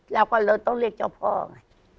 แล้วก็เราต้องเรียกเจ้าพ่อไง